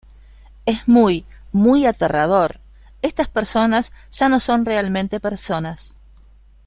Es muy, muy aterrador: estas personas ya no son realmente personas.